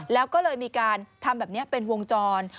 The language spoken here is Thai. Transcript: แล้วก็เลยมีการทำแบบนี้เป็นวงจร